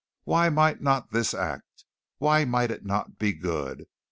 Why might not this act? Why might it not be good?